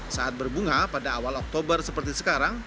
saat berbunga pada awal oktober seperti sekarang